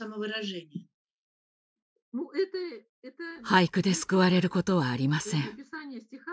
俳句で救われることはありません。